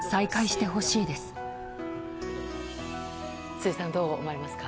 辻さん、どう思われますか？